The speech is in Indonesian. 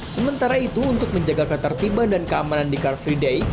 sementara itu untuk menjaga ketertiban dan keamanan di car free day